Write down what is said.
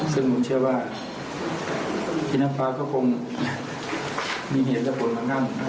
ซึ่งผมเชื่อว่าพี่น้องฟ้าก็คงมีเหตุในผมหลังครั้ง